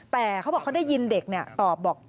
แต่เขาบอกเขาได้ยินเด็กตอบบอก